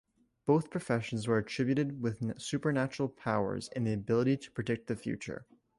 Both professions were attributed with supernatural powers and the ability to predict the future.